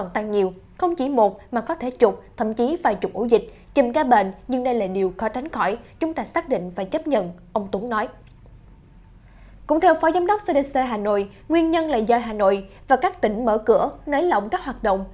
cũng theo giám đốc cdc hà nội nguyên nhân là do hà nội và các tỉnh mở cửa nới lỏng các hoạt động